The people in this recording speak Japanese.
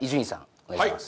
お願いします。